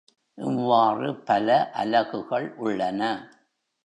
இவ்வாறு பல அலகுகள் உள்ளன.